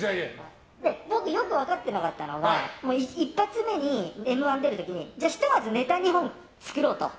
僕、よく分かってなかったのが１発目に「Ｍ‐１」出る時にひとまずネタ２本作ろうと。